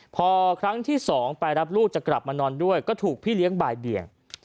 พอครั้งที่๒ไปรับลูกจะกลับมานอนด้วยก็ถูกพี่เลี้ยงบ่ายเบียง